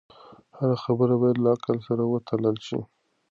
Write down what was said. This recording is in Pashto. هره خبره باید له عقل سره وتلل شي.